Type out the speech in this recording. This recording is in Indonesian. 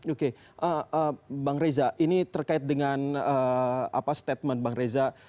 oke bang reza ini terkait dengan statement bang reza